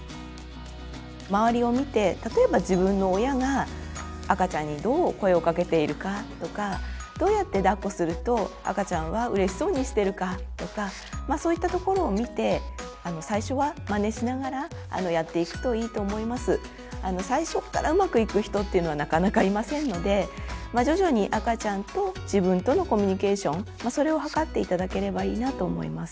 まわりを見て例えば自分の親が赤ちゃんにどう声をかけているかとかどうやってだっこすると赤ちゃんはうれしそうにしてるかとかそういったところを見て最初からうまくいく人っていうのはなかなかいませんので徐々に赤ちゃんと自分とのコミュニケーションそれを図って頂ければいいなと思います。